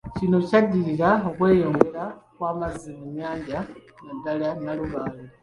Kino kyaddirira okweyongera kw’amazzi mu nnyanja naddala Nalubaale.